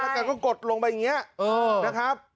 แกก็กดลงไปอย่างนี้นะครับ